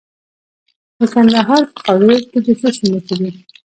د کندهار په خاکریز کې د څه شي نښې دي؟